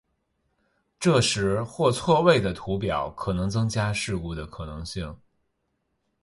过时或错位的图表可能增加事故的可能性。